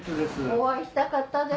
お会いしたかったです。